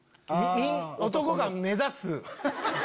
男が目指す。